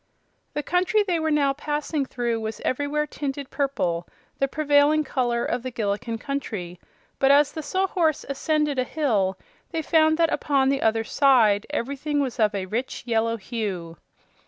The country they were now passing through was everywhere tinted purple, the prevailing color of the Gillikin Country; but as the Sawhorse ascended a hill they found that upon the other side everything was of a rich yellow hue.